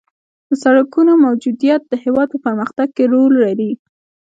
د سرکونو موجودیت د هېواد په پرمختګ کې رول لري